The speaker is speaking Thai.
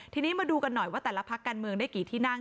ทีนี้มาดูกันหน่อยว่าแต่ละพักการเมืองได้กี่ที่นั่ง